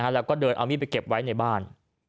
แล้วก็เดินเอามีดไปเก็บไว้ในบ้าน